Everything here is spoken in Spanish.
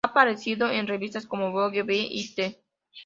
Ha aparecido en revistas como Vogue, W, y "T".